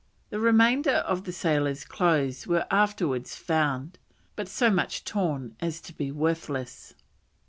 The remainder of the sailor's clothes were afterwards found, but so much torn as to be worthless.